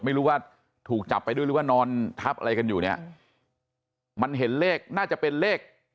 ไม่รู้ว่าถูกจับไปด้วยหรือว่านอนทับอะไรกันอยู่เนี่ยมันเห็นเลขน่าจะเป็นเลข